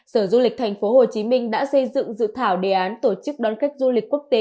sở du lịch thành phố hồ chí minh đã xây dựng dự thảo đề án tổ chức đón khách du lịch quốc tế